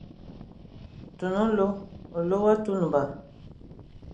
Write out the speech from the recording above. Tun nlô, nlô wa tunba.